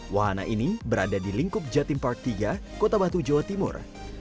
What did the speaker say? wahana ini berada di lingkup jatim park tiga kota batu jawa timur